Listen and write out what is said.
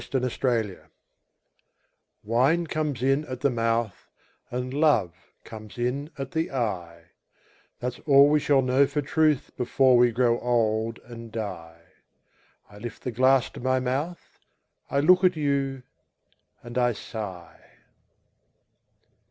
A DRINKING SONG Wine comes in at the mouth And love comes in at the eye; That's all we shall know for truth Before we grow old and die. I lift the glass to my mouth, I look at you, and I sigh.